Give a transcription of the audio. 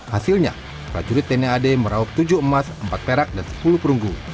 hasilnya prajurit tni ad meraup tujuh emas empat perak dan sepuluh perunggu